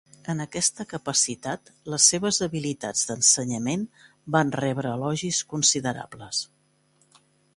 En aquesta capacitat, les seves habilitats d'ensenyament van rebre elogis considerables.